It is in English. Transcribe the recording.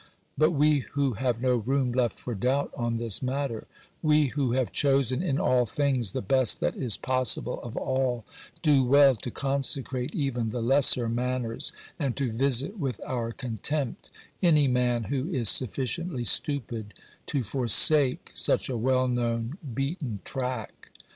But we who have no room left for doubt on this matter, we who have chosen in all things the best that is possible of all, do well to consecrate even the lesser manners and 70 OBERMANN to visit with our contempt any man who is sufficiently stupid to forsake such a well known beaten track.